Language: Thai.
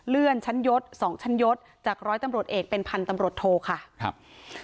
เลื่อนชั้นยศสองชั้นยศจากร้อยตำรวจเอกเป็นพันธุ์ตำรวจโทค่ะครับ